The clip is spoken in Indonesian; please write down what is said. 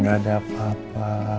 gak ada apa apa